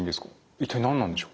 一体何なんでしょう？